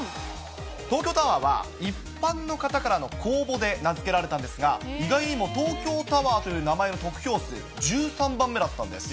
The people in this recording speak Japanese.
東京タワーは、一般の方からの公募で名付けられたんですが、意外にも東京タワーという名前の得票数、１３番目だったんです。